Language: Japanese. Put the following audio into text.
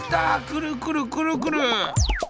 くるくるくるくる。